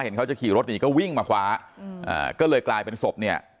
เขาจะขี่รถหนีก็วิ่งมาคว้าอืมอ่าก็เลยกลายเป็นศพเนี่ย